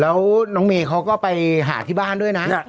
แล้วน้องเมย์เขาก็ไปหาที่บ้านด้วยนะ